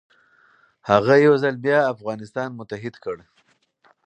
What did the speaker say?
هغه یو ځل بیا افغانستان متحد کړ.